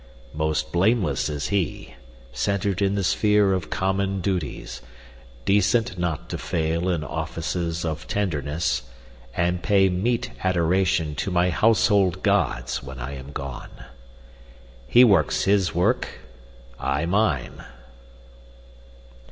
Most blameless is he, centred in the sphere Of common duties, decent not to fail In offices of tenderness, and pay Meet adoration to my household gods, When I am gone. He works his work, I mine.